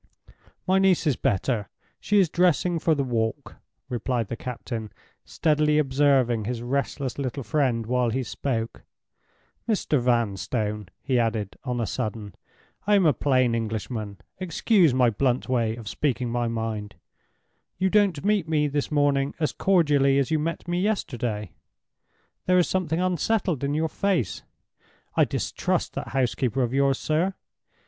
"My niece is better—she is dressing for the walk," replied the captain, steadily observing his restless little friend while he spoke. "Mr. Vanstone!" he added, on a sudden, "I am a plain Englishman—excuse my blunt way of speaking my mind. You don't meet me this morning as cordially as you met me yesterday. There is something unsettled in your face. I distrust that housekeeper of yours, sir!